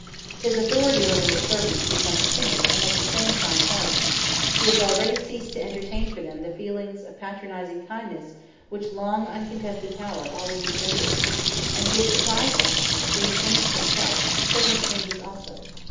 His authority over his servants becomes timid and at the same time harsh: he has already ceased to entertain for them the feelings of patronizing kindness which long uncontested power always engenders, and he is surprised that, being changed himself, his servant changes also.